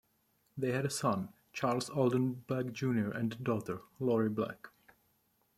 They had a son, Charles Alden Black Junior and a daughter, Lori Black.